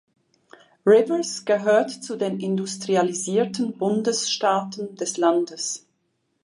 Rivers gehört zu den industrialisierten Bundesstaaten des Landes.